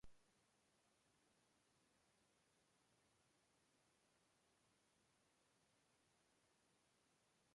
Uma pessoa vestindo um casaco laranja está andando durante a hora escura.